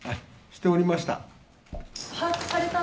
しておりました。